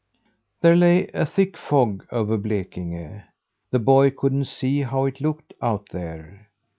There lay a thick fog over Blekinge. The boy couldn't see how it looked out there.